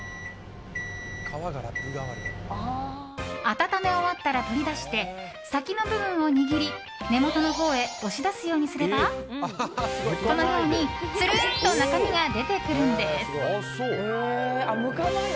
温め終わったら取り出して先の部分を握り、根元のほうへ押し出すようにすればこのようにつるんと中身が出てくるんです。